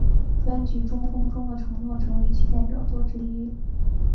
专辑中风中的承诺成为其代表作之一。